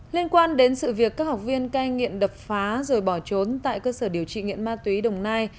liên quan đến sự việc các học viên cai nghiện đập phá rồi bỏ trốn tại cơ sở điều trị nghiện ma túy đồng nai